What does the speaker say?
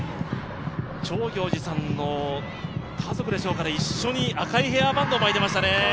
長行司さんの家族でしょうかね、一緒に赤いヘアバンドを巻いていましたね。